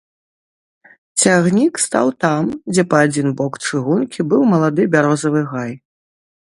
Цягнік стаў там, дзе па адзін бок чыгункі быў малады бярозавы гай.